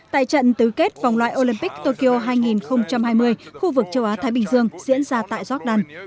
tại trận tứ kết vòng loại olympic tokyo hai nghìn hai mươi khu vực châu á thái bình dương diễn ra tại jordan